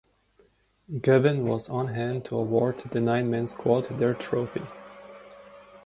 Gavin was on hand to award the nine man squad their trophy.